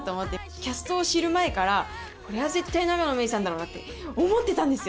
キャストを知る前から、これは絶対、永野芽郁さんだろうなって思ってたんですよ。